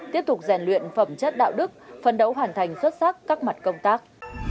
tiếp tục rèn luyện phẩm chất đạo đức phân đấu hoàn thành xuất sắc các mặt công tác